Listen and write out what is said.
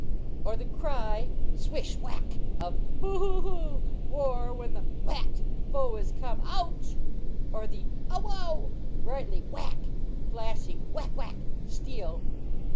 Or the cry (swish whack) of (boo hoo hoo !) war when the (whack) foe is come (ouch !) Or the (ow wow !) brightly (whack) flashing (whack whack) steel